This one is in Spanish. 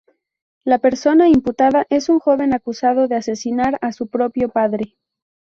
La persona imputada es un joven acusado de asesinar a su propio padre.